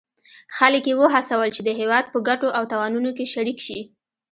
خلک یې وهڅول چې د هیواد په ګټو او تاوانونو کې شریک شي.